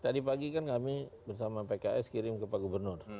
tadi pagi kan kami bersama pks kirim ke pak gubernur